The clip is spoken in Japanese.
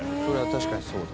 確かに、そうだ。